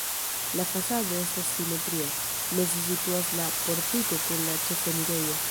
La fasado estas simetria, meze situas la portiko kun la ĉefenirejo.